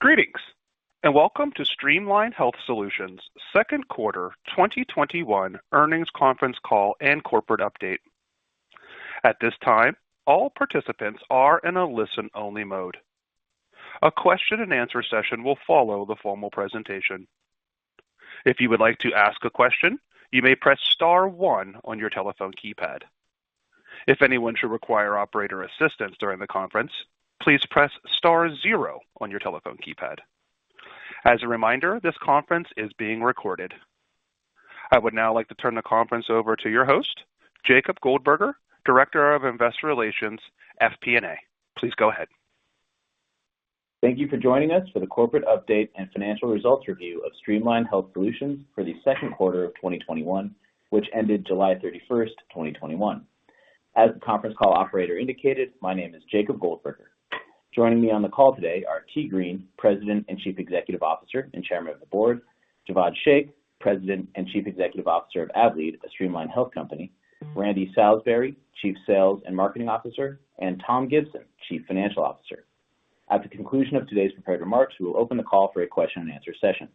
Greetings, and welcome to Streamline Health Solutions' second quarter 2021 earnings conference call and corporate update. At this time, all participants are in a listen-only mode. A question and answer session will follow the formal presentation. If you would like to ask a question, you may press star one on your telephone keypad. If anyone should require operator assistance during the conference, please press star zero on your telephone keypad. As a reminder, this conference is being recorded. I would now like to turn the conference over to your host, Jacob Goldberger, Director of Investor Relations, FP&A. Please go ahead. Thank you for joining us for the corporate update and financial results review of Streamline Health Solutions for the second quarter of 2021, which ended July 31st, 2021. As the conference call operator indicated, my name is Jacob Goldberger. Joining me on the call today are Tee Green, President and Chief Executive Officer and Chairman of the Board, Jawad Shaikh, President and Chief Executive Officer of Avelead, a Streamline Health company, Randy Salisbury, Chief Sales and Marketing Officer, and Tom Gibson, Chief Financial Officer. At the conclusion of today's prepared remarks, we will open the call for a question and answer session.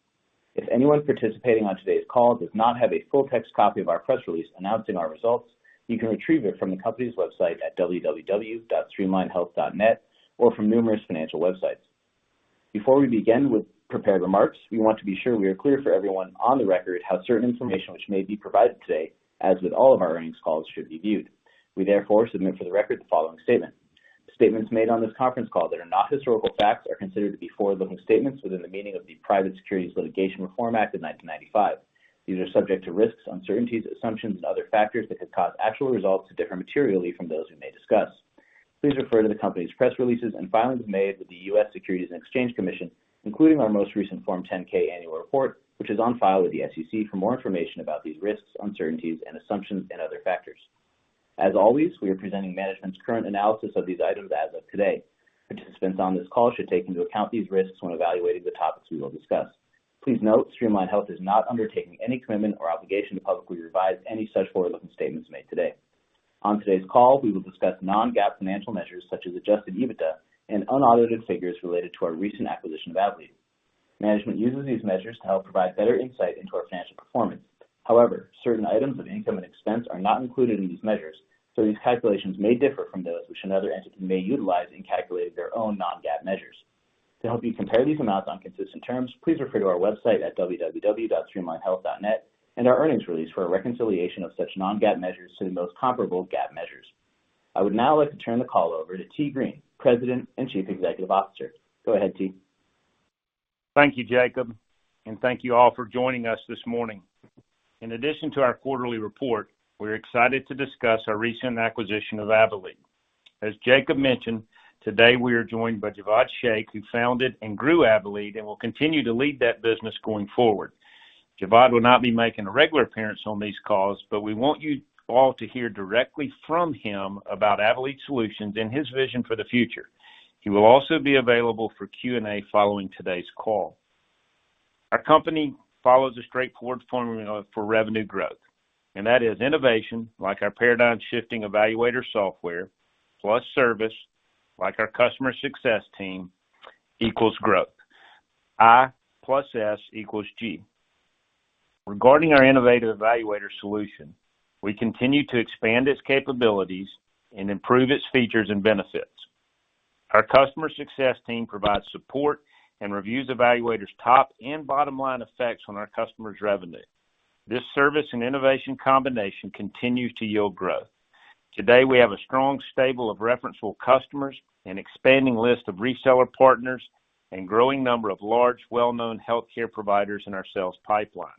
If anyone participating on today's call does not have a full text copy of our press release announcing our results, you can retrieve it from the company's website at www.streamlinehealth.net or from numerous financial websites. Before we begin with prepared remarks, we want to be sure we are clear for everyone on the record how certain information which may be provided today, as with all of our earnings calls, should be viewed. We therefore submit for the record the following statement. The statements made on this conference call that are not historical facts are considered to be forward-looking statements within the meaning of the Private Securities Litigation Reform Act of 1995. These are subject to risks, uncertainties, assumptions and other factors that could cause actual results to differ materially from those we may discuss. Please refer to the company's press releases and filings made with the U.S. Securities and Exchange Commission, including our most recent Form 10-K annual report, which is on file with the SEC for more information about these risks, uncertainties, and assumptions and other factors. As always, we are presenting management's current analysis of these items as of today. Participants on this call should take into account these risks when evaluating the topics we will discuss. Please note, Streamline Health is not undertaking any commitment or obligation to publicly revise any such forward-looking statements made today. On today's call, we will discuss non-GAAP financial measures such as adjusted EBITDA and unaudited figures related to our recent acquisition of Avelead. Management uses these measures to help provide better insight into our financial performance. However, certain items of income and expense are not included in these measures, so these calculations may differ from those which another entity may utilize in calculating their own non-GAAP measures. To help you compare these amounts on consistent terms, please refer to our website at www.streamlinehealth.net and our earnings release for a reconciliation of such non-GAAP measures to the most comparable GAAP measures. I would now like to turn the call over to Tee Green, President and Chief Executive Officer. Go ahead, Tee. Thank you, Jacob, and thank you all for joining us this morning. In addition to our quarterly report, we're excited to discuss our recent acquisition of Avelead. As Jacob mentioned, today we are joined by Jawad Shaikh, who founded and grew Avelead and will continue to lead that business going forward. Jawad will not be making a regular appearance on these calls, but we want you all to hear directly from him about Avelead Solutions and his vision for the future. He will also be available for Q&A following today's call. Our company follows a straightforward formula for revenue growth, and that is innovation, like our paradigm-shifting eValuator software, plus service, like our customer success team, equals growth. I plus S equals G. Regarding our innovative eValuator solution, we continue to expand its capabilities and improve its features and benefits. Our customer success team provides support and reviews eValuator's top and bottom-line effects on our customers' revenue. This service and innovation combination continues to yield growth. Today, we have a strong stable of referenceable customers, an expanding list of reseller partners, and growing number of large, well-known healthcare providers in our sales pipeline.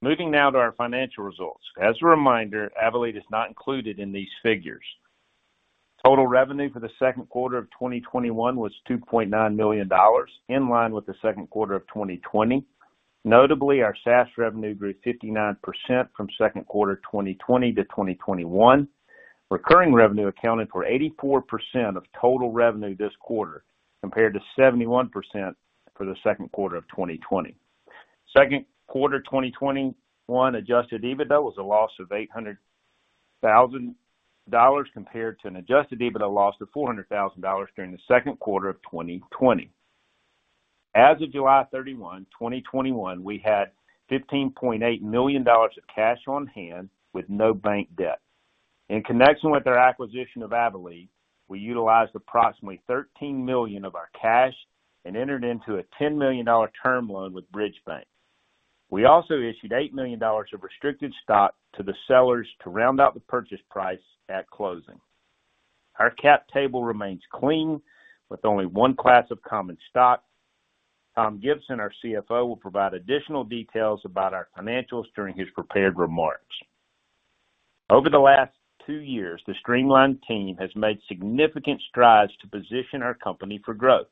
Moving now to our financial results. As a reminder, Avelead is not included in these figures. Total revenue for the second quarter of 2021 was $2.9 million, in line with the second quarter of 2020. Notably, our SaaS revenue grew 59% from second quarter 2020-2021. Recurring revenue accounted for 84% of total revenue this quarter, compared to 71% for the second quarter of 2020. Second quarter 2021 adjusted EBITDA was a loss of $800,000 compared to an adjusted EBITDA loss of $400,000 during the second quarter of 2020. As of July 31, 2021, we had $15.8 million of cash on hand with no bank debt. In connection with our acquisition of Avelead, we utilized approximately $13 million of our cash and entered into a $10 million term loan with Bridge Bank. We also issued $8 million of restricted stock to the sellers to round out the purchase price at closing. Our cap table remains clean with only one class of common stock. Tom Gibson, our CFO, will provide additional details about our financials during his prepared remarks. Over the last two years, the Streamline team has made significant strides to position our company for growth.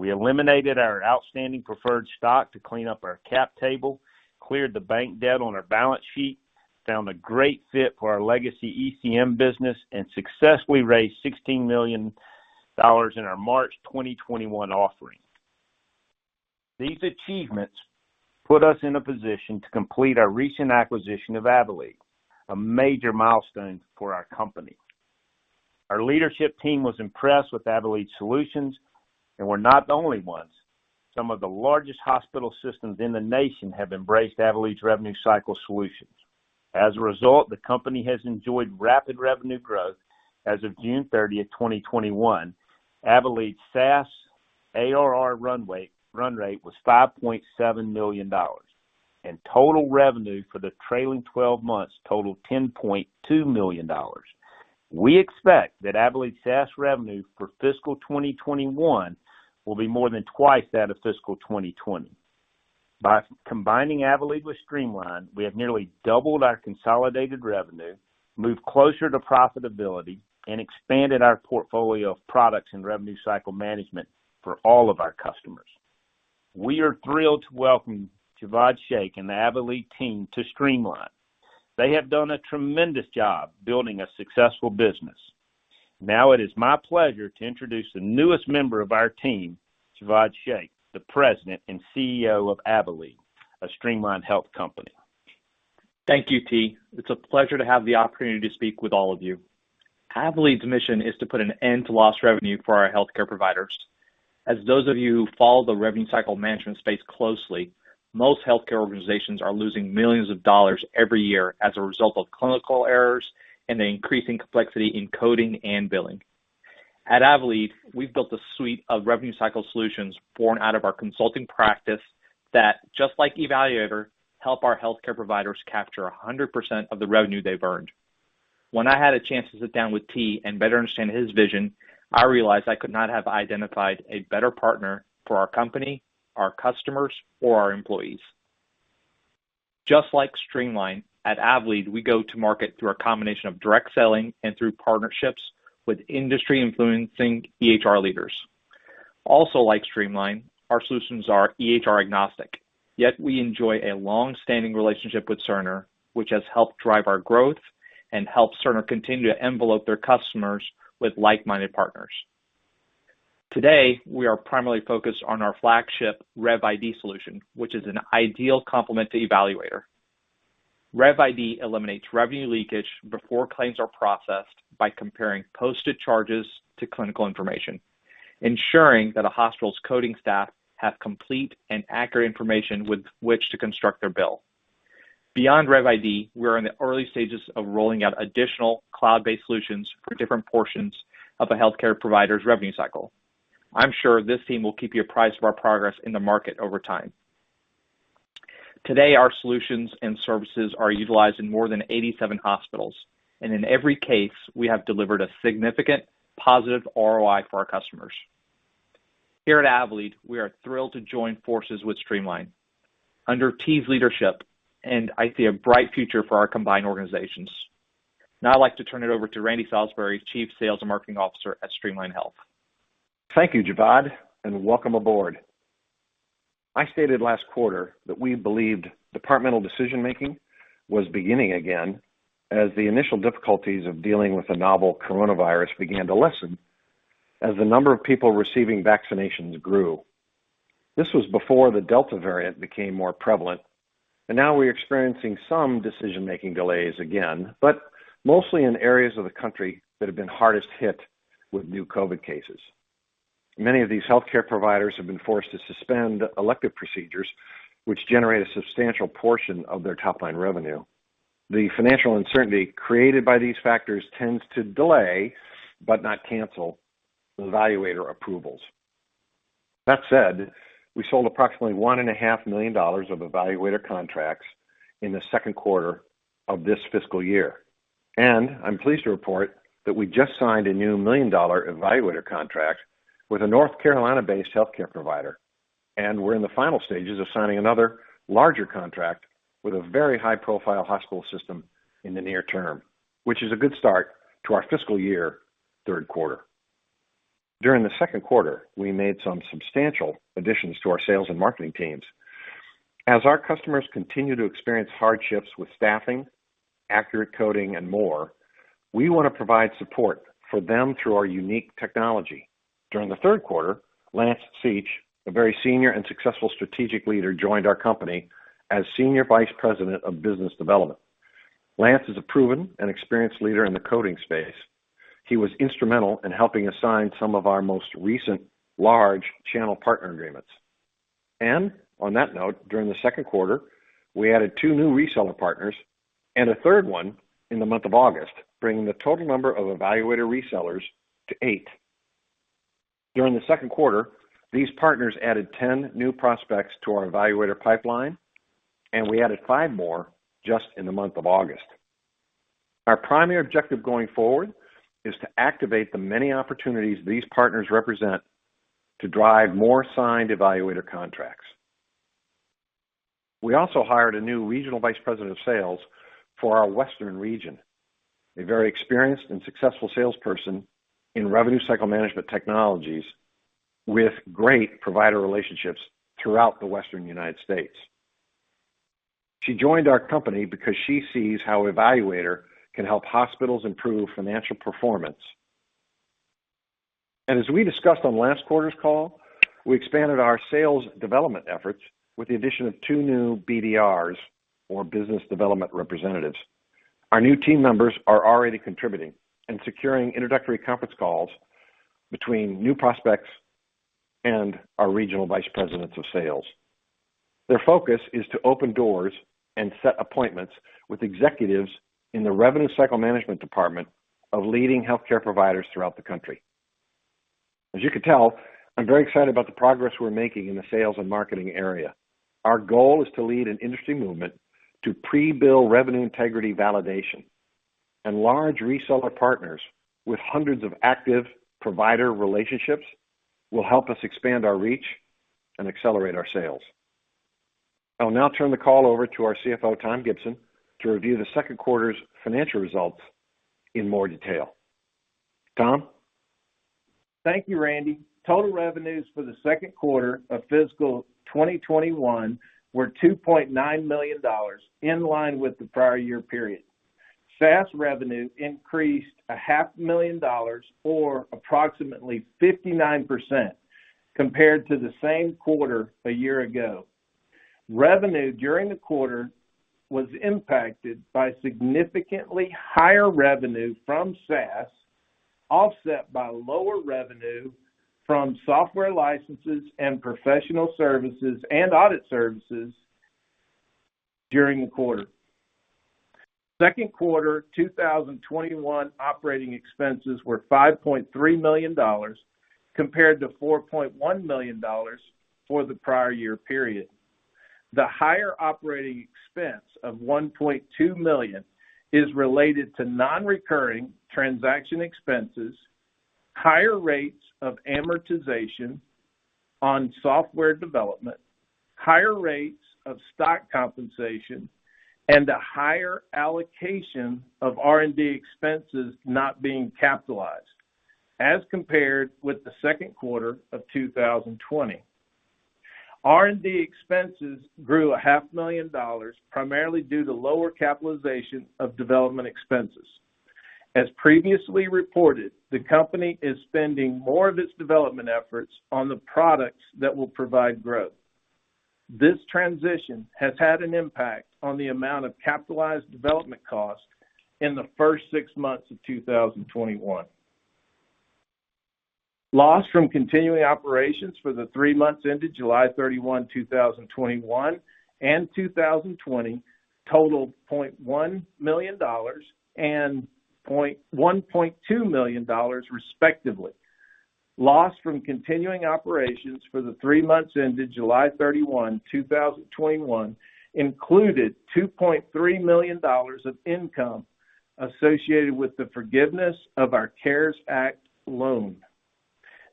We eliminated our outstanding preferred stock to clean up our cap table, cleared the bank debt on our balance sheet, found a great fit for our legacy ECM business, and successfully raised $16 million in our March 2021 offering. These achievements put us in a position to complete our recent acquisition of Avelead, a major milestone for our company. Our leadership team was impressed with Avelead's solutions. We're not the only ones. Some of the largest hospital systems in the nation have embraced Avelead's revenue cycle solutions. As a result, the company has enjoyed rapid revenue growth. As of June 30th, 2021, Avelead SaaS ARR run rate was $5.7 million. Total revenue for the trailing 12 months totaled $10.2 million. We expect that Avelead SaaS revenue for fiscal 2021 will be more than twice that of fiscal 2020. By combining Avelead with Streamline Health, we have nearly doubled our consolidated revenue, moved closer to profitability, and expanded our portfolio of products and revenue cycle management for all of our customers. We are thrilled to welcome Jawad Shaikh and the Avelead team to Streamline Health. They have done a tremendous job building a successful business. Now it is my pleasure to introduce the newest member of our team, Jawad Shaikh, the President and Chief Executive Officer of Avelead, a Streamline Health company. Thank you, Tee. It's a pleasure to have the opportunity to speak with all of you. Avelead's mission is to put an end to lost revenue for our healthcare providers. As those of you who follow the revenue cycle management space closely, most healthcare organizations are losing millions of dollars every year as a result of clinical errors and the increasing complexity in coding and billing. At Avelead, we've built a suite of revenue cycle solutions born out of our consulting practice that, just like eValuator, help our healthcare providers capture 100% of the revenue they've earned. When I had a chance to sit down with Tee and better understand his vision, I realized I could not have identified a better partner for our company, our customers, or our employees. Just like Streamline, at Avelead, we go to market through a combination of direct selling and through partnerships with industry-influencing EHR leaders. Also like Streamline, our solutions are EHR agnostic, yet we enjoy a long-standing relationship with Cerner, which has helped drive our growth and helped Cerner continue to envelop their customers with like-minded partners. Today, we are primarily focused on our flagship RevID solution, which is an ideal complement to eValuator. RevID eliminates revenue leakage before claims are processed by comparing posted charges to clinical information, ensuring that a hospital's coding staff have complete and accurate information with which to construct their bill. Beyond RevID, we're in the early stages of rolling out additional cloud-based solutions for different portions of a healthcare provider's revenue cycle. I'm sure this team will keep you apprised of our progress in the market over time. Today, our solutions and services are utilized in more than 87 hospitals, and in every case, we have delivered a significant positive ROI for our customers. Here at Avelead, we are thrilled to join forces with Streamline. Under Tee's leadership, and I see a bright future for our combined organizations. Now I'd like to turn it over to Randy Salisbury, Chief Sales and Marketing Officer at Streamline Health. Thank you, Jawad, and welcome aboard. I stated last quarter that we believed departmental decision-making was beginning again as the initial difficulties of dealing with the novel Coronavirus began to lessen as the number of people receiving vaccinations grew. This was before the Delta Variant became more prevalent. Now we're experiencing some decision-making delays again, but mostly in areas of the country that have been hardest hit with new COVID cases. Many of these healthcare providers have been forced to suspend elective procedures, which generate a substantial portion of their top-line revenue. The financial uncertainty created by these factors tends to delay, but not cancel, eValuator approvals. That said, we sold approximately $1.5 million of eValuator contracts in the second quarter of this fiscal year. I'm pleased to report that we just signed a new $1 million eValuator contract with a North Carolina-based healthcare provider, and we're in the final stages of signing another larger contract with a very high-profile hospital system in the near term, which is a good start to our fiscal year third quarter. During the second quarter, we made some substantial additions to our sales and marketing teams. As our customers continue to experience hardships with staffing, accurate coding, and more, we want to provide support for them through our unique technology. During the third quarter, Lance Seach, a very senior and successful strategic leader, joined our company as Senior Vice President of Business Development. Lance is a proven and experienced leader in the coding space. He was instrumental in helping us sign some of our most recent large channel partner agreements. On that note, during the second quarter, we added two new reseller partners and a third one in the month of August, bringing the total number of eValuator resellers to eight. During the second quarter, these partners added 10 new prospects to our eValuator pipeline, and we added five more just in the month of August. Our primary objective going forward is to activate the many opportunities these partners represent to drive more signed eValuator contracts. We also hired a new Regional Vice President of Sales for our Western Region, a very experienced and successful salesperson in revenue cycle management technologies with great provider relationships throughout the Western United States. She joined our company because she sees how eValuator can help hospitals improve financial performance. As we discussed on last quarter's call, we expanded our sales development efforts with the addition of two new BDRs, or Business Development Representatives. Our new team members are already contributing and securing introductory conference calls between new prospects and our Regional Vice Presidents of Sales. Their focus is to open doors and set appointments with executives in the revenue cycle management department of leading healthcare providers throughout the country. As you can tell, I'm very excited about the progress we're making in the sales and marketing area. Our goal is to lead an industry movement to pre-bill revenue integrity validation, and large reseller partners with hundreds of active provider relationships will help us expand our reach and accelerate our sales. I will now turn the call over to our CFO, Tom Gibson, to review the second quarter's financial results in more detail. Tom? Thank you, Randy. Total revenues for the second quarter of fiscal 2021 were $2.9 million, in line with the prior year period. SaaS revenue increased a half million dollars or approximately 59% compared to the same quarter a year ago. Revenue during the quarter was impacted by significantly higher revenue from SaaS, offset by lower revenue from software licenses and professional services and audit services during the quarter. Second quarter 2021 operating expenses were $5.3 million, compared to $4.1 million for the prior year period. The higher operating expense of $1.2 million is related to non-recurring transaction expenses, higher rates of amortization on software development, higher rates of stock compensation, and a higher allocation of R&D expenses not being capitalized as compared with the second quarter of 2020. R&D expenses grew a half million dollars, primarily due to lower capitalization of development expenses. As previously reported, the company is spending more of its development efforts on the products that will provide growth. This transition has had an impact on the amount of capitalized development costs in the first six months of 2021. Loss from continuing operations for the three months ended July 31, 2021 and 2020 totaled $0.1 million and $1.2 million respectively. Loss from continuing operations for the three months ended July 31, 2021 included $2.3 million of income associated with the forgiveness of our CARES Act loan.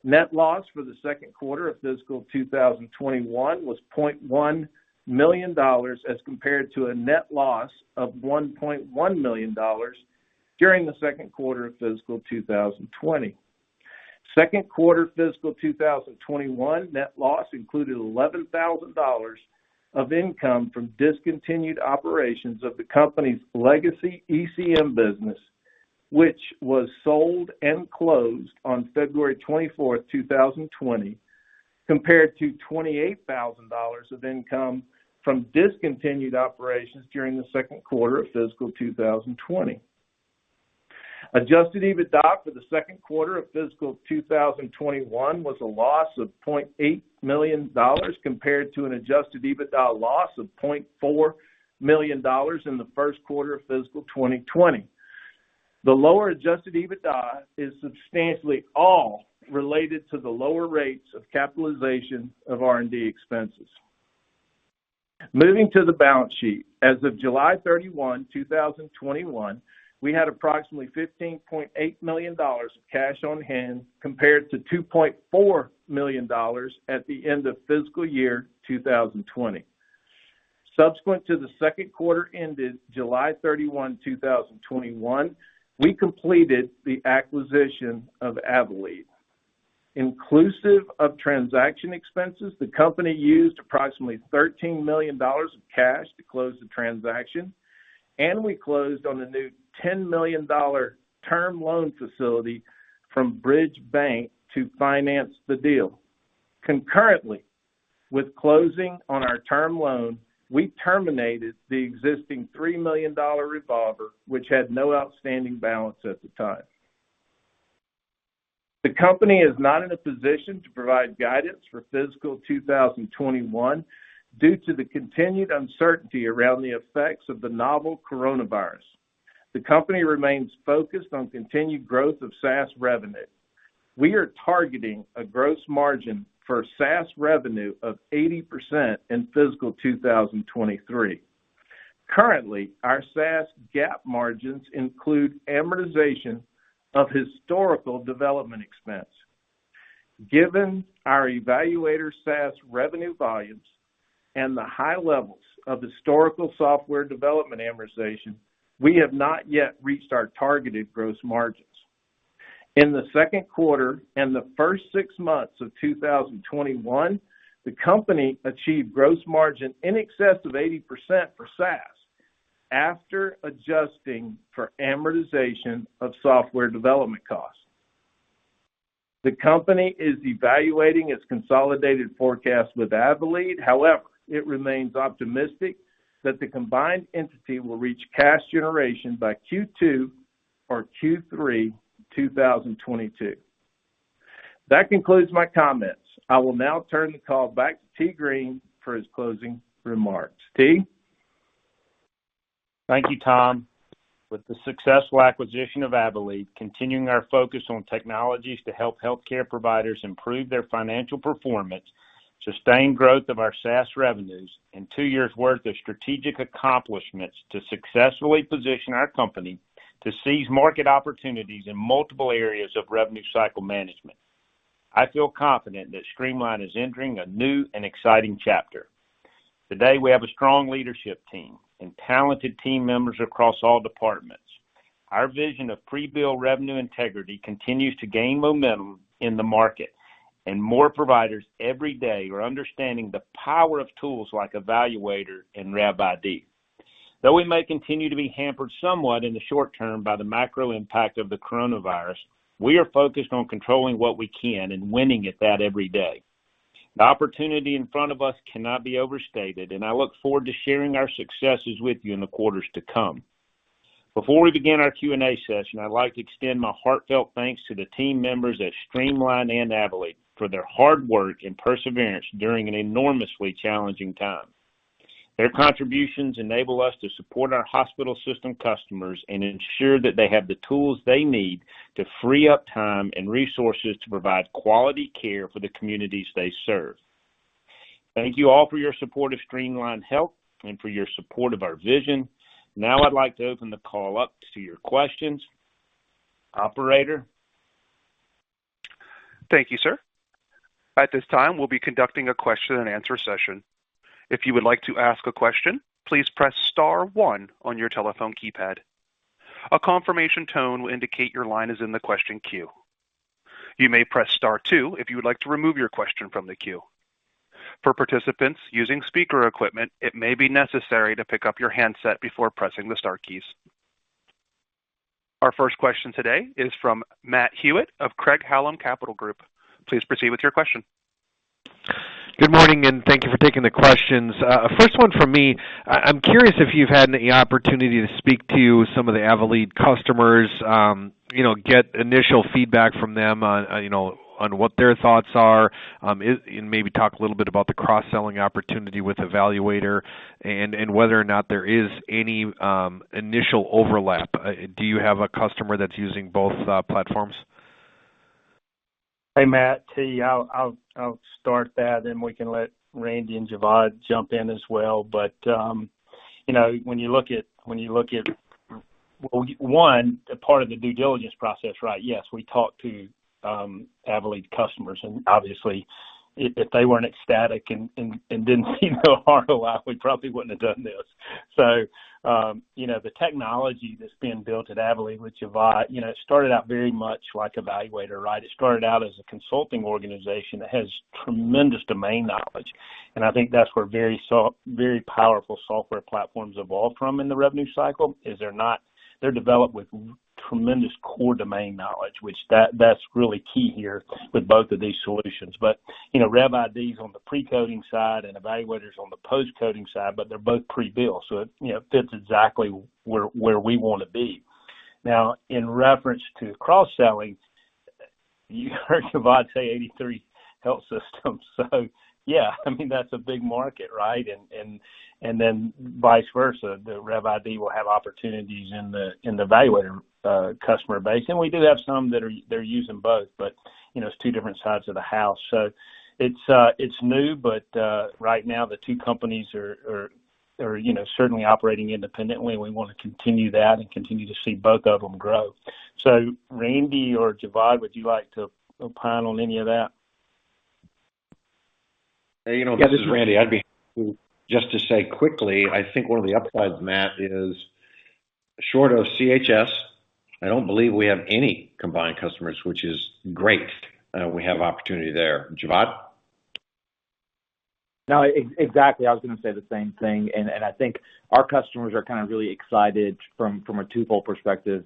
Net loss for the second quarter of fiscal 2021 was $0.1 million as compared to a net loss of $1.1 million during the second quarter of fiscal 2020. Second quarter fiscal 2021 net loss included $11,000 of income from discontinued operations of the company's legacy ECM business, which was sold and closed on February 24, 2020, compared to $28,000 of income from discontinued operations during the second quarter of fiscal 2020. Adjusted EBITDA for the second quarter of fiscal 2021 was a loss of $0.8 million compared to an adjusted EBITDA loss of $0.4 million in the first quarter of fiscal 2020. The lower adjusted EBITDA is substantially all related to the lower rates of capitalization of R&D expenses. Moving to the balance sheet. As of July 31, 2021, we had approximately $15.8 million of cash on hand compared to $2.4 million at the end of fiscal year 2020. Subsequent to the second quarter ended July 31, 2021, we completed the acquisition of Avelead. Inclusive of transaction expenses, the company used approximately $13 million of cash to close the transaction, and we closed on a new $10 million term loan facility from Bridge Bank to finance the deal. Concurrently with closing on our term loan, we terminated the existing $3 million revolver, which had no outstanding balance at the time. The company is not in a position to provide guidance for fiscal 2021 due to the continued uncertainty around the effects of the novel Coronavirus. The company remains focused on continued growth of SaaS revenue. We are targeting a gross margin for SaaS revenue of 80% in fiscal 2023. Currently, our SaaS GAAP margins include amortization of historical development expense. Given our eValuator SaaS revenue volumes and the high levels of historical software development amortization, we have not yet reached our targeted gross margins. In the second quarter and the first six months of 2021, the company achieved gross margin in excess of 80% for SaaS, after adjusting for amortization of software development costs. The company is evaluating its consolidated forecast with Avelead, however, it remains optimistic that the combined entity will reach cash generation by Q2 or Q3 2022. That concludes my comments. I will now turn the call back to Tee Green for his closing remarks. Tee? Thank you, Tom. With the successful acquisition of Avelead, continuing our focus on technologies to help healthcare providers improve their financial performance, sustained growth of our SaaS revenues, and two years' worth of strategic accomplishments to successfully position our company to seize market opportunities in multiple areas of revenue cycle management, I feel confident that Streamline is entering a new and exciting chapter. Today, we have a strong leadership team and talented team members across all departments. Our vision of pre-bill revenue integrity continues to gain momentum in the market, and more providers every day are understanding the power of tools like eValuator and RevID. Though we may continue to be hampered somewhat in the short term by the macro impact of the Coronavirus, we are focused on controlling what we can and winning at that every day. The opportunity in front of us cannot be overstated, and I look forward to sharing our successes with you in the quarters to come. Before we begin our Q&A session, I'd like to extend my heartfelt thanks to the team members at Streamline and Avelead for their hard work and perseverance during an enormously challenging time. Their contributions enable us to support our hospital system customers and ensure that they have the tools they need to free up time and resources to provide quality care for the communities they serve. Thank you all for your support of Streamline Health and for your support of our vision. Now I'd like to open the call up to your questions. Operator? Thank you, sir. At this time, we'll be conducting a question and answer session. If you would like to ask a question, please press star one on your telephone keypad. A confirmation tone will indicate your line is in the question queue. You may press star two if you would like to remove your question from the queue. For participants using speaker equipment, it may be necessary to pick up your handset before pressing the star keys. Our first question today is from Matthew Hewitt of Craig-Hallum Capital Group. Please proceed with your question. Good morning. Thank you for taking the questions. First one from me, I'm curious if you've had any opportunity to speak to some of the Avelead customers, get initial feedback from them on what their thoughts are, and maybe talk a little bit about the cross-selling opportunity with eValuator and whether or not there is any initial overlap. Do you have a customer that's using both platforms? Hey, Matt, it's Tee. I'll start that, then we can let Randy and Jawad jump in as well. When you look at, one, a part of the due diligence process, right? Yes, we talked to Avelead customers, and obviously, if they weren't ecstatic and didn't seem to laugh a lot, we probably wouldn't have done this. The technology that's being built at Avelead with Jawad, it started out very much like eValuator, right? It started out as a consulting organization that has tremendous domain knowledge, and I think that's where very powerful software platforms evolve from in the revenue cycle, is they're developed with tremendous core domain knowledge, which that's really key here with both of these solutions. RevID's on the pre-coding side, and eValuator's on the post-coding side, but they're both pre-bill, so it fits exactly where we want to be. In reference to cross-selling, you heard Jawad say 83 health systems, so yeah, I mean, that's a big market, right? Vice versa, RevID will have opportunities in the eValuator customer base. We do have some that are using both, but it's two different sides of the house. It's new, but right now the two companies are certainly operating independently, and we want to continue that and continue to see both of them grow. Randy or Jawad, would you like to opine on any of that? Yeah, this is Randy. I'd be happy just to say quickly, I think one of the upsides, Matt, is short of CHS, I don't believe we have any combined customers, which is great. We have opportunity there. Jawad? No, exactly. I was going to say the same thing, and I think our customers are kind of really excited from a twofold perspective,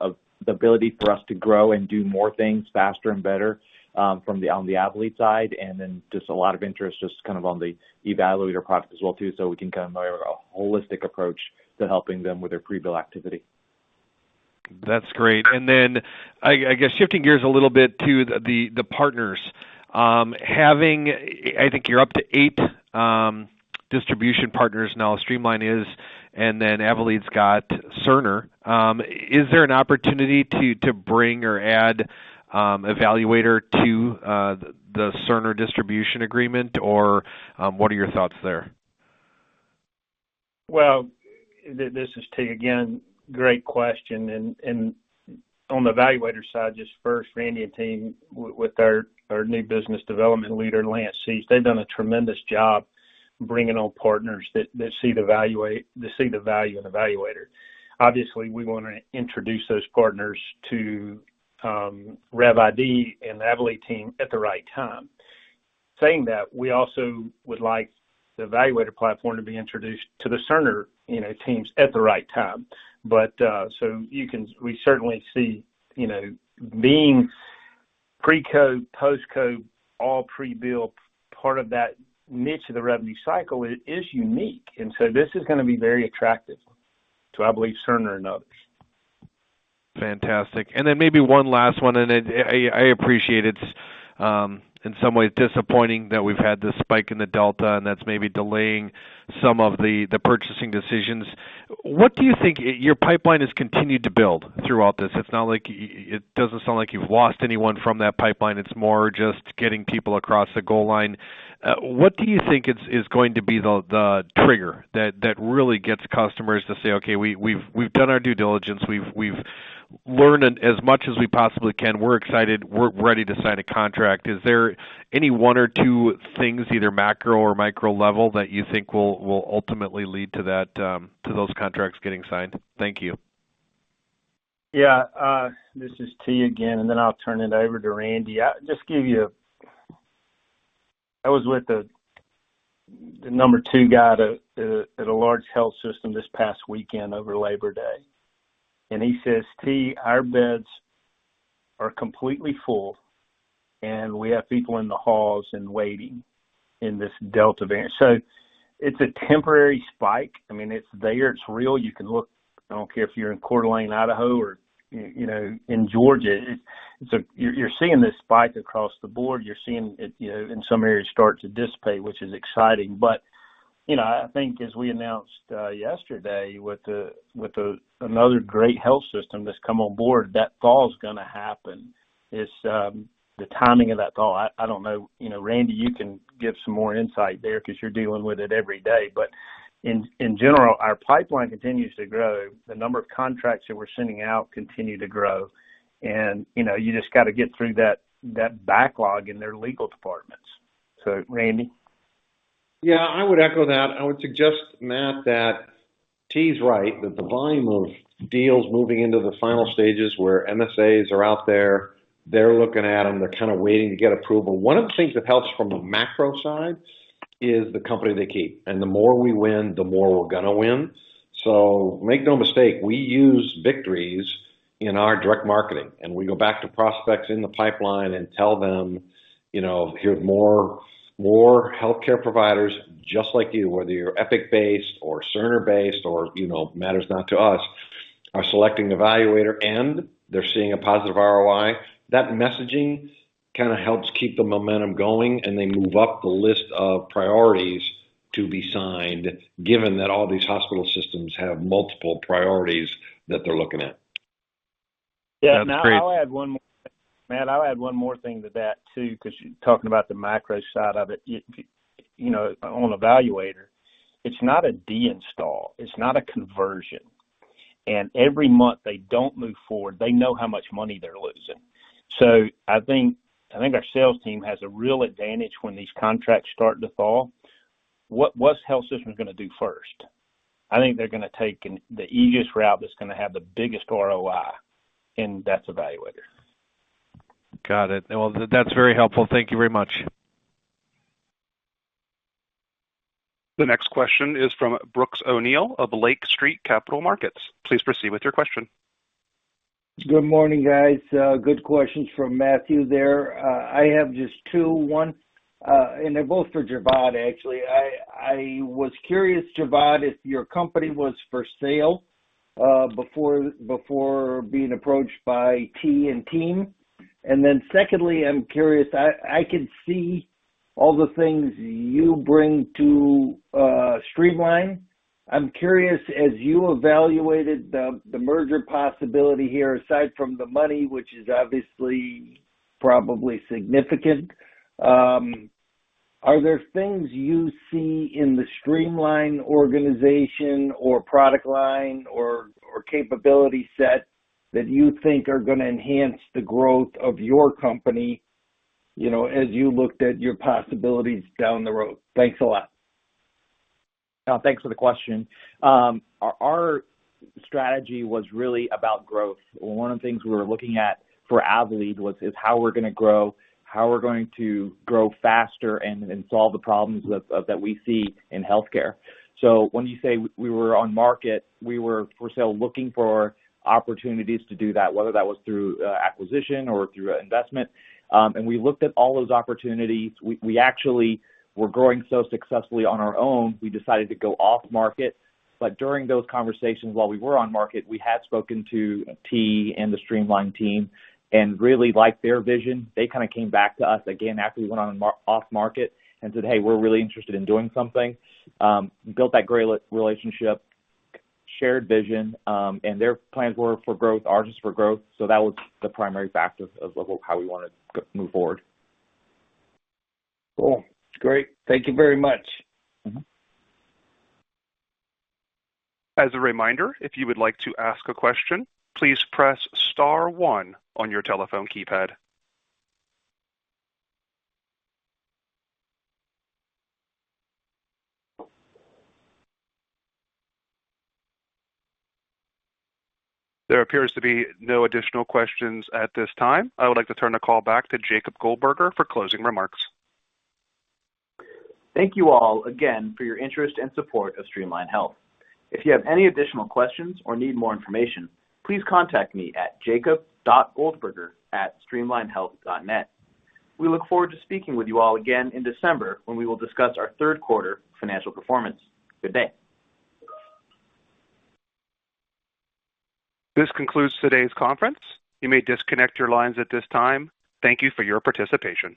of the ability for us to grow and do more things faster and better on the Avelead side, and then just a lot of interest just on the eValuator product as well, too, so we can provide a holistic approach to helping them with their pre-bill activity. That's great. I guess shifting gears a little bit to the partners. Having, I think you're up to eight distribution partners now, Streamline is, and then Avelead's got Cerner. Is there an opportunity to bring or add eValuator to the Cerner distribution agreement, or what are your thoughts there? Well, this is Tee again. Great question. On the eValuator side, just first, Randy and team, with our new business development leader, Lance Seach, they've done a tremendous job bringing on partners that see the value in eValuator. Obviously, we want to introduce those partners to RevID and the Avelead team at the right time. Saying that, we also would like the eValuator platform to be introduced to the Cerner teams at the right time. We certainly see being pre-code, post-code, all pre-bill, part of that niche of the revenue cycle, it is unique. So this is going to be very attractive to, I believe, Cerner and others. Fantastic. Then maybe one last one, and I appreciate it's in some ways disappointing that we've had this spike in the Delta, and that's maybe delaying some of the purchasing decisions. Your pipeline has continued to build throughout this. It doesn't sound like you've lost anyone from that pipeline. It's more just getting people across the goal line. What do you think is going to be the trigger that really gets customers to say, "Okay, we've done our due diligence. We've learned as much as we possibly can. We're excited. We're ready to sign a contract?" Is there any one or two things, either macro or micro level, that you think will ultimately lead to those contracts getting signed? Thank you. Yeah. This is Tee again, and then I'll turn it over to Randy. I was with the number two guy at a large health system this past weekend over Labor Day, and he says, "Tee, our beds are completely full, and we have people in the halls and waiting in this Delta Variant." It's a temporary spike. It's there, it's real. You can look, I don't care if you're in Coeur d'Alene, Idaho or in Georgia, you're seeing this spike across the board. You're seeing it in some areas start to dissipate, which is exciting. I think as we announced yesterday with another great health system that's come on board, that fall's going to happen. It's the timing of that fall. I don't know. Randy, you can give some more insight there because you're dealing with it every day. In general, our pipeline continues to grow. The number of contracts that we're sending out continue to grow, and you just got to get through that backlog in their legal departments. Randy? Yeah, I would echo that. I would suggest, Matt, that Tee's right, that the volume of deals moving into the final stages where MSAs are out there, they're looking at them, they're kind of waiting to get approval. One of the things that helps from a macro side is the company they keep, and the more we win, the more we're going to win. Make no mistake, we use victories in our direct marketing, and we go back to prospects in the pipeline and tell them, "Here's more healthcare providers just like you, whether you're Epic-based or Cerner-based, matters not to us, are selecting eValuator and they're seeing a positive ROI." That messaging kind of helps keep the momentum going, and they move up the list of priorities to be signed, given that all these hospital systems have multiple priorities that they're looking at. That's great. Matt, I'll add one more thing to that, too, because you're talking about the macro side of it. On eValuator, it's not a deinstall, it's not a conversion. Every month they don't move forward, they know how much money they're losing. I think our sales team has a real advantage when these contracts start to fall. What's health systems going to do first? I think they're going to take the easiest route that's going to have the biggest ROI, and that's eValuator. Got it. Well, that's very helpful. Thank you very much. The next question is from Brooks O'Neil of Lake Street Capital Markets. Please proceed with your question. Good morning, guys. Good questions from Matthew there. I have just two. One, they're both for Jawad, actually. I was curious, Jawad, if your company was for sale before being approached by Tee and team. Secondly, I'm curious, I could see all the things you bring to Streamline. I'm curious, as you evaluated the merger possibility here, aside from the money, which is obviously probably significant, are there things you see in the Streamline organization or product line or capability set that you think are going to enhance the growth of your company as you looked at your possibilities down the road? Thanks a lot. Thanks for the question. Our strategy was really about growth. One of the things we were looking at for Avelead was how we're going to grow, how we're going to grow faster and solve the problems that we see in healthcare. When you say we were on market, we were for sale looking for opportunities to do that, whether that was through acquisition or through investment. We looked at all those opportunities. We actually were growing so successfully on our own, we decided to go off market. During those conversations, while we were on market, we had spoken to Tee and the Streamline team and really liked their vision. They kind of came back to us again after we went off market and said, "Hey, we're really interested in doing something." Built that great relationship, shared vision, and their plans were for growth, ours was for growth. That was the primary factor of how we wanted to move forward. Cool. Great. Thank you very much. There appears to be no additional questions at this time. I would like to turn the call back to Jacob Goldberger for closing remarks. Thank you all again for your interest and support of Streamline Health. If you have any additional questions or need more information, please contact me at jacob.goldberger@streamlinehealth.net. We look forward to speaking with you all again in December when we will discuss our third quarter financial performance. Good day. This concludes today's conference. You may disconnect your lines at this time. Thank you for your participation.